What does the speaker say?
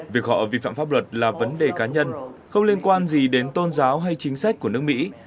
việc họ vi phạm pháp luật là vấn đề cá nhân không liên quan gì đến tôn giáo hay chính sách của nước mỹ